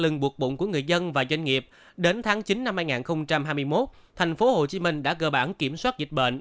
nguồn của người dân và doanh nghiệp đến tháng chín năm hai nghìn hai mươi một thành phố hồ chí minh đã cơ bản kiểm soát dịch bệnh